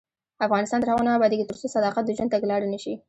افغانستان تر هغو نه ابادیږي، ترڅو صداقت د ژوند تګلاره نشي.